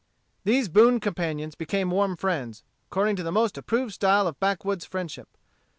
These boon companions became warm friends, according to the most approved style of backwoods friendship.